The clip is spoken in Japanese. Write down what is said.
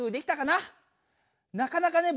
なかなかね